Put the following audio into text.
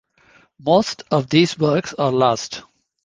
Most of these works are lost.